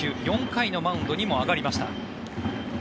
４回のマウンドにも上がりました。